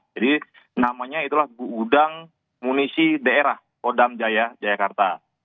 jadi namanya itulah gudang amunisi daerah kodam jaya jayakarta